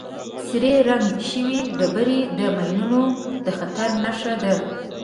سرې رنګ شوې ډبرې د ماینونو د خطر نښه ده.